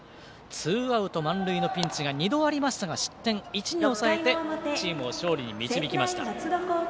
ツーアウト満塁のピンチが２度ありましたが失点１に抑えてチームを勝利に導きました。